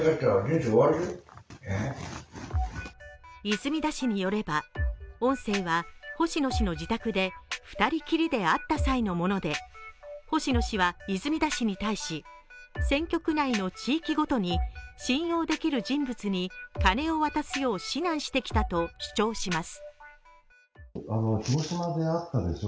泉田氏によれば音声は星野氏の自宅で２人きりで会った際のもので、星野氏は泉田氏に対し選挙区内の地域ごとに信用できる人物に金を渡すよう指南してきたと主張します。